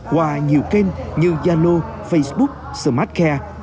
qua nhiều kênh như yalo facebook smartcare